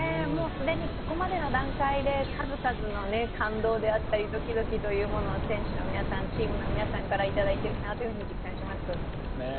もう既に、ここまでの段階で数々の感動であったり、ドキドキというものを選手の皆さん、チームの皆さんからいただいているなと実感します。